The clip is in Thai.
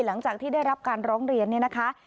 หลังจากที่ได้รับการร้องเรียนเนี่ยนะคะ